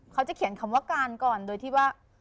เขาจะเขียนคำว่าการก่อนโดยที่ว่า